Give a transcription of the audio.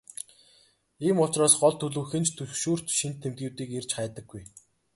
Ийм учраас гол төлөв хэн ч түгшүүрт шинж тэмдгүүдийг эрж хайдаггүй.